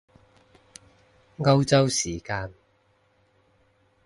歐洲時間？